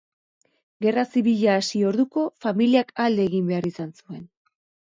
Gerra Zibila hasi orduko familiak alde egin behar izan zuen